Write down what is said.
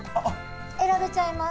選べちゃいます。